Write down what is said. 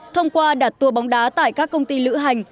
thông qua đặt tour bóng đá tại các công ty lữ hành